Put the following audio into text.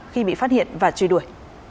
khi bị phát hiện và truy đuổi